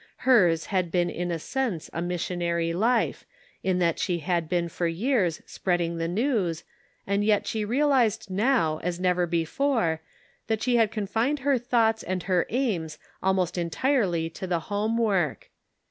Her's had been in a sense a missionary life, in that she had been for years spreading the news, and yet she realized now, as never before, that she had confined her thoughts and her aims almost entirely to the home work.